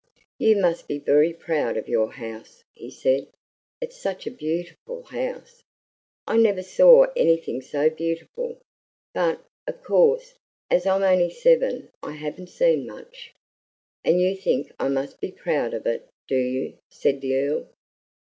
"You must be very proud of your house," he said, "it's such a beautiful house. I never saw anything so beautiful; but, of course, as I'm only seven, I haven't seen much." "And you think I must be proud of it, do you?" said the Earl.